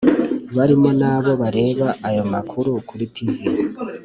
barimo nabo bareba ayo makuru kuri tv.